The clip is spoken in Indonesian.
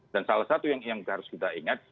salah satu yang harus kita ingat